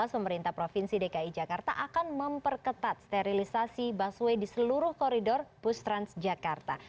pemerintah provinsi dki jakarta akan memperketat sterilisasi busway di seluruh koridor bus transjakarta